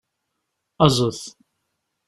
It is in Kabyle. Aẓet!